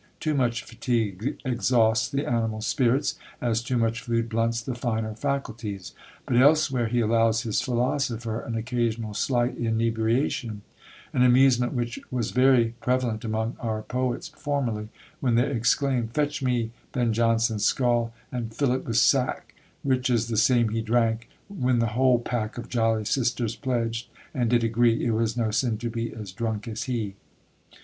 Too much fatigue exhausts the animal spirits, as too much food blunts the finer faculties: but elsewhere he allows his philosopher an occasional slight inebriation; an amusement which was very prevalent among our poets formerly, when they exclaimed: "Fetch me Ben Jonson's scull, and fill't with sack, Rich as the same he drank, when the whole pack Of jolly sisters pledged, and did agree It was no sin to be as drunk as he!"